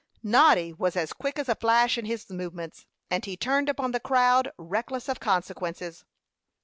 Noddy was as quick as a flash in his movements, and he turned upon the crowd, reckless of consequences.